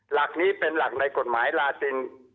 หลักนี้เป็นหลักในกฎหมายลาติน